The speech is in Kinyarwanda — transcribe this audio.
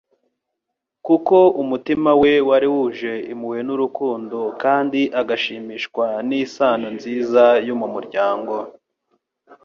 Kuko umutima we wari wuje impuhwe n'urukundo kandi agashimishwa n'isano nziza yo mu muryango.